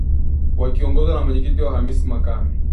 Wakiongozwa na mwenyekiti wao Hamis Makame